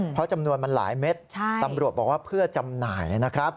เพราะจำนวนมันหลายเม็ดตำรวจบอกว่าเพื่อจำหน่ายนะครับ